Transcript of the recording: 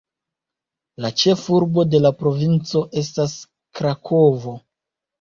La ĉefurbo de la provinco estas Krakovo.